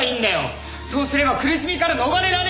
そうすれば苦しみから逃れられるんだ！